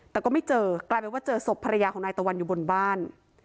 แต่ก็ไม่เจอกลายเป็นว่าเจอศพภรรยาของนายตะวันอยู่บนบ้าน